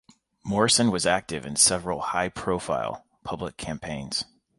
Morrison was active in several high-profile public campaigns.